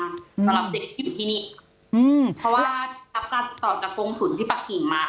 สำหรับเด็กที่อยู่ที่นี่อืมเพราะว่ารับการติดต่อจากกรงศูนย์ที่ปักกิ่งมา